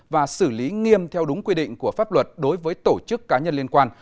và xử lý nghiêm theo đúng quy định của pháp luật đối với tổ chức cá nhân liên quan